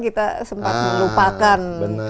kita sempat melupakan